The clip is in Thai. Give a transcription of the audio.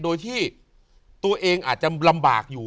โดยที่ตัวเองอาจจะลำบากอยู่